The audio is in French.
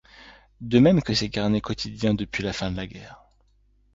De même que ses carnets quotidiens depuis la fin de la guerre.